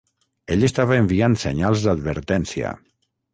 Ell estava enviant senyals d'advertència.